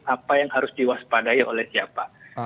apa yang harus diwaspadai oleh siapa